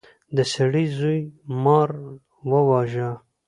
د سړي زوی مار وواژه.